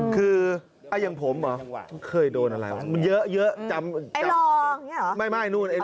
คือออ่ะอย่างผมเหรอเข้ยโดนอะไรอ่ะเยอะเยอะ์ไอลอห์นี่หรอ